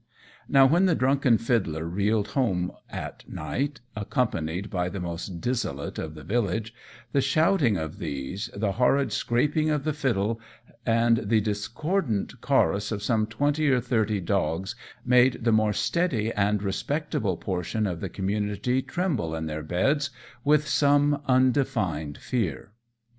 Now, when the drunken fiddler reeled home at night, accompanied by the most dissolute of the village, the shouting of these, the horrid scraping of the fiddle, and the discordant chorus of some twenty or thirty dogs, made the more steady and respectable portion of the community tremble in their beds, with some undefined fear.